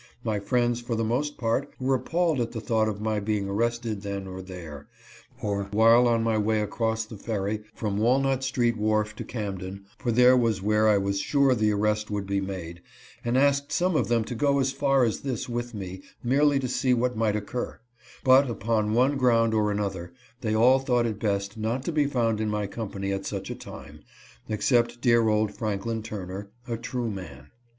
My friends for the most part were appalled at the thought of my being arrested then or there, or while on my way across the ferry from Walnut street wharf to Camden, for there was where I felt sure the arrest would be made, and asked some of them to go so far as this with me merely to see what might occur; but, upon one ground or another, they all thought it best not to be found in my company at such a time, except dear old Franklin Turner — a true man.